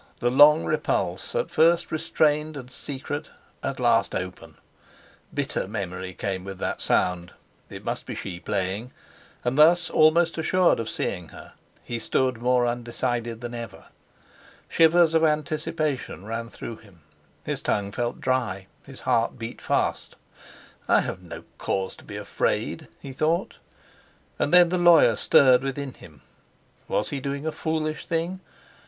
The long repulse, at first restrained and secret, at last open! Bitter memory came with that sound. It must be she playing, and thus almost assured of seeing her, he stood more undecided than ever. Shivers of anticipation ran through him; his tongue felt dry, his heart beat fast. "I have no cause to be afraid," he thought. And then the lawyer stirred within him. Was he doing a foolish thing?